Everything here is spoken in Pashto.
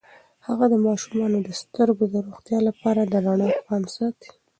هغه د ماشومانو د سترګو د روغتیا لپاره د رڼا پام ساتي.